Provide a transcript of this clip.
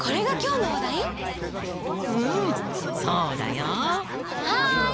うんそうだよ。はい！